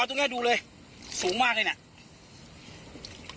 ตรงนี้ดูเลยสูงมากเลยเนี่ย